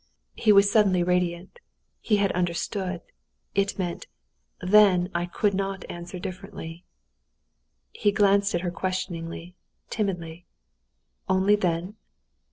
He was suddenly radiant: he had understood. It meant, "Then I could not answer differently." He glanced at her questioningly, timidly. "Only then?"